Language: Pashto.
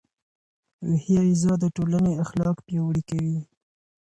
روحي غذا د ټولنې اخلاق پیاوړي کوي.